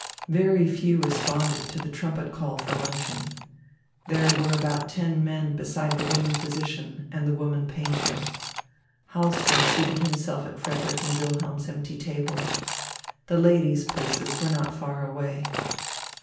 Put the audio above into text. Very few responded to the trumpet call for luncheon. There were about ten men beside the woman physician and the woman painter. Hahlström seated himself at Frederick's and Wilhelm's empty table. The ladies' places were not far away.